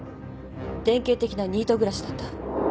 典型的なニート暮らしだった。